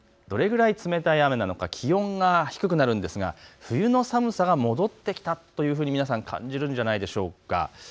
どれくらい冷たい雨なのか、気温が低くなるんですが冬の寒さが戻ってきたと皆さん、感じるのではないでしょうか。